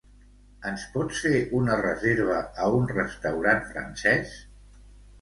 Ens pots fer una reserva a un restaurant francès?